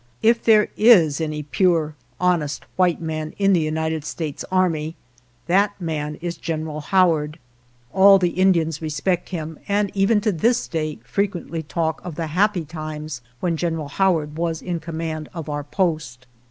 If there is any pure, honest white man in the United States army, that man is Gen eral Howard. All the Indians respect him, and even to this day frequently talk of the happy times when General Howard was in command of our Post.